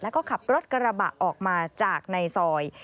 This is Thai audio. แล้วก็ขับรถกระบะออกมาจากในซอย